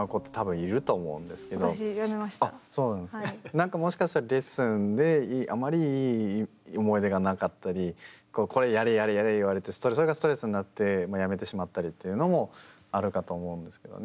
なんかもしかしたらレッスンであまりいい思い出がなかったりこれやれやれやれ言われてそれがストレスになってやめてしまったりっていうのもあるかと思うんですけどね。